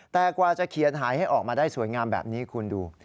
แต่กว่าจะเขียนหายให้ออกมาได้สวยงามแบบนี้คุณดู